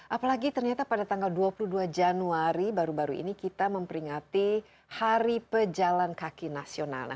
apalagi ternyata pada tanggal dua puluh dua januari baru baru ini kita memperingati hari pejalan kaki nasional